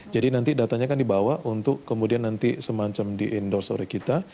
jadi nanti datanya kan dibawa untuk kemudian nanti semacam di endorse oleh kita